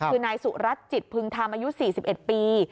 คือนายสุรัตนจิตพึงธรรมอายุ๔๑ปี